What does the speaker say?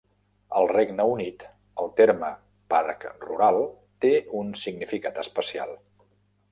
Al Regne Unit, el terme "parc rural" té un significat especial.